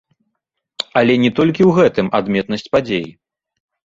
Але не толькі ў гэтым адметнасць падзеі.